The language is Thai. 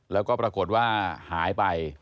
แล้วก็ปรากฏว่าหายไป